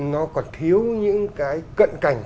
nó còn thiếu những cái cận cảnh